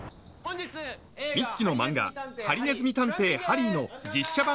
美月の漫画『ハリネズミ探偵・ハリー』の実写版